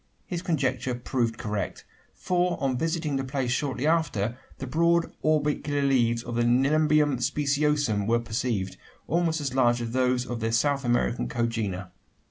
His conjecture proved correct: for on visiting the place shortly after, the broad orbicular leaves of the Nelumbium speciosum were perceived almost as large as those of their South American congener.